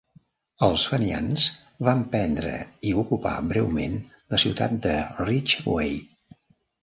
Els fenians van prendre i ocupar breument la ciutat de Ridgeway.